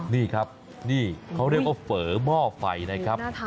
นี่ครับนี่เขาเรียกว่าเฝอหม้อไฟนะครับ